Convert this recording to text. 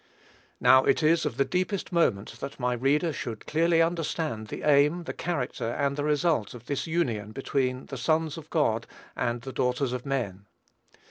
Now, it is of the deepest moment that my reader should clearly understand the aim, the character, and the result of this union between "the sons of God" and "the daughters of men."